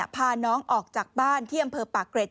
พาน้องออกจากบ้านที่อำเภอปากเกร็ด